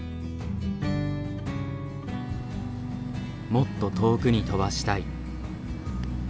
「もっと遠くに飛ばしたい」。